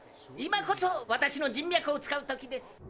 今こそ私の人脈を使う時です。